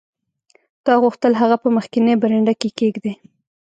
تا غوښتل هغه په مخکینۍ برنډه کې کیږدې